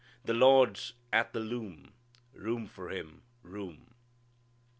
The Lord's at the loom, Room for Him room."